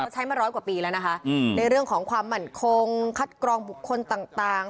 ใช้มาร้อยกว่าปีแล้วนะคะในเรื่องของความมั่นคงคัดกรองบุคคลต่าง